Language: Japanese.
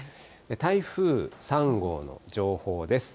台風３号の情報です。